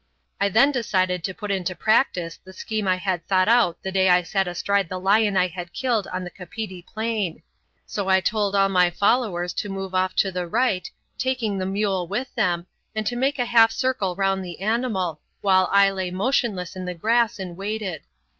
I then decided to put into practice the scheme I had thought out the day I sat astride the lion I had killed on the Kapiti Plain: so I told all my followers to move off to the right, taking the mule with them, and to make a half circle round the animal, while I lay motionless in the grass and waited.